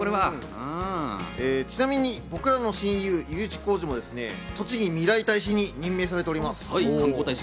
ちなみに僕らの親友・Ｕ字工事もですね、とちぎ未来大使に任命されております。